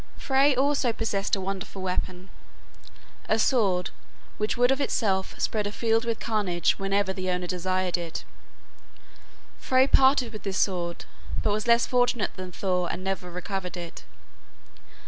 Frey also possessed a wonderful weapon, a sword which would of itself spread a field with carnage whenever the owner desired it. Frey parted with this sword, but was less fortunate than Thor and never recovered it.